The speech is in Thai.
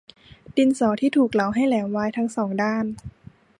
ดินสอที่ถูกเหลาให้แหลมไว้ทั้งสองด้าน